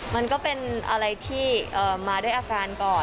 มันก็เป็นอะไรที่มาด้วยอาการก่อน